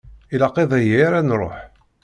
Ilaq iḍ-ayi ara nruḥ.